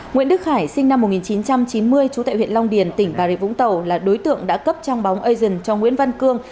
nguyễn đức khải sinh năm một nghìn chín trăm chín mươi trú tại huyện long điền tỉnh bà rịa vũng tàu là đối tượng đã cấp trang bóng asian cho nguyễn văn cương